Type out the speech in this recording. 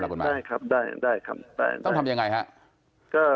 ได้ครับได้ครับได้ครับต้องทำยังไงครับ